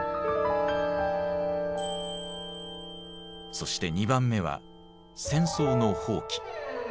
そして２番目は戦争の放棄。